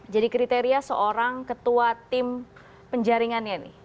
jadi kriteria seorang ketua tim penjaringannya nih